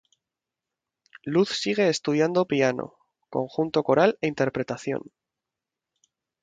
Luz sigue estudiando: piano, conjunto coral e interpretación.